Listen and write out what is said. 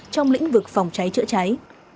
trong lĩnh vực phòng cháy chữa cháy